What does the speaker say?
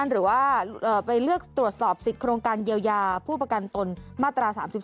หรือว่าไปเลือกตรวจสอบสิทธิ์โครงการเยียวยาผู้ประกันตนมาตรา๓๒